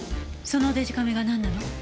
そのデジカメがなんなの？